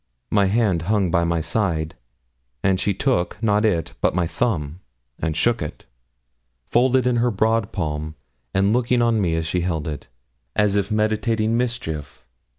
My hand hung by my side, and she took, not it, but my thumb, and shook it, folded in her broad palm, and looking on me as she held it, as if meditating mischief.